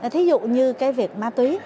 thí dụ như cái việc ma túy